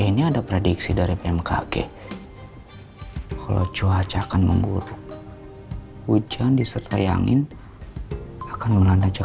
ini ada prediksi dari pmkg kalau cuaca akan memburuk hujan disertai angin akan melanda